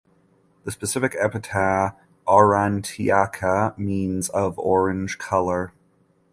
The specific epithet ("aurantiaca") means "of orange colour".